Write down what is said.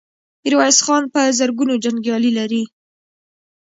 ميرويس خان په زرګونو جنګيالي لري.